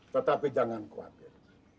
tetapi jangan khawatir